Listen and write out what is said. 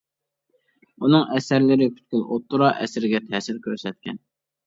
ئۇنىڭ ئەسەرلىرى پۈتكۈل ئوتتۇرا ئەسىرگە تەسىر كۆرسەتكەن.